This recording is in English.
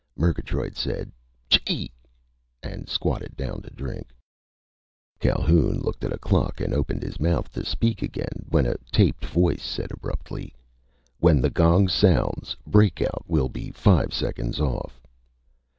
Murgatroyd said, "Chee!" and squatted down to drink. Calhoun looked at a clock and opened his mouth to speak again, when a taped voice said abruptly: "_When the gong sounds, breakout will be five seconds off.